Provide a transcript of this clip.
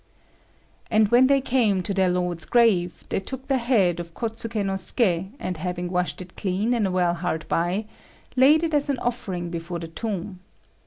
And when they came to their lord's grave, they took the head of Kôtsuké no Suké, and having washed it clean in a well hard by, laid it as an offering before the tomb.